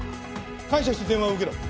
感謝して電話を受けろ。